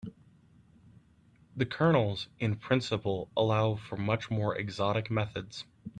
The kernels in principle allow for much more exotic methods.